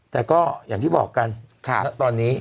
แต่ก็อย่างที่บอกกันณตอนนี้